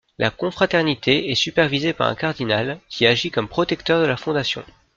La confraternité est supervisée par un cardinal, qui agit comme protecteur de la fondation.